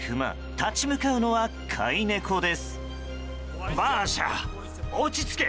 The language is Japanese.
立ち向かうのは飼い猫です。